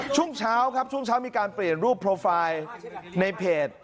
ช่วงเช้าครับช่วงเช้ามีการเปลี่ยนรูปโปรไฟล์ในเพจ